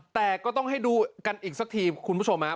แต่ก็ต้องให้ดูกันอีกสักทีคุณผู้ชม